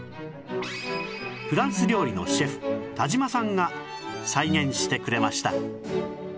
フランス料理のシェフ田島さんが再現してくれました